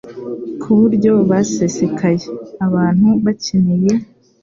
ku buryo busesekaye. Abantu bakeneye